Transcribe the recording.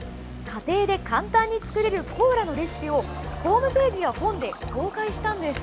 家庭で簡単に作れるコーラのレシピをホームページや本で公開したんです。